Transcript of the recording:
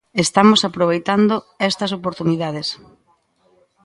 Estamos aproveitando estas oportunidades.